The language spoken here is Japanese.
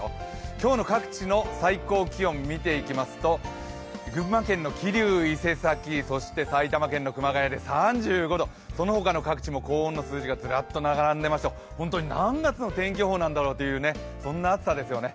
今日の各地の最高気温を見ていきますと群馬県の桐生、伊勢崎、埼玉県の熊谷で３５度、その他の各地も高温の数字がずらっと並んでいまして本当に何月の天気予報なんだろうという、そんな暑さですよね。